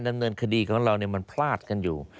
ดำเนินคดีของเรามันพลาดกันอยู่